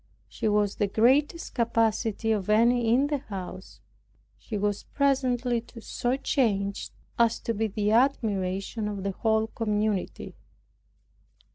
She has the greatest capacity of any in the house. She was presently so changed as to be the admiration of the whole community.